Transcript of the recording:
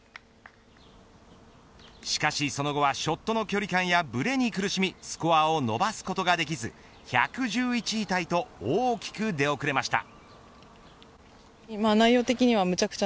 しかし、その後はショットの距離感やぶれに苦しみスコアを伸ばすことができず１１１位タイと大きく出遅れました。